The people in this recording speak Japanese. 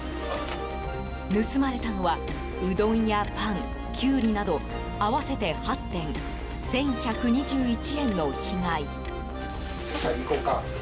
盗まれたのはうどんやパン、キュウリなど合わせて８点１１２１円の被害。